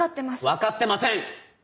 分かってません！